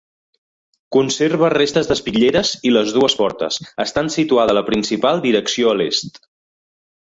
Conserva restes d'espitlleres i les dues portes, estant situada la principal direcció a l'est.